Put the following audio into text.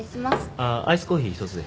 あっアイスコーヒー１つで。